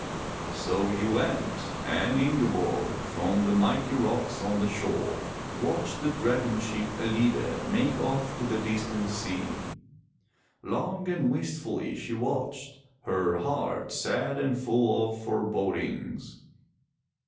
So he went, and Ingeborg, from the mighty rocks on the shore, watched the dragon ship EUide make off to the distant sea. Long and wistfully she watched, her heart sad and full of forebodings.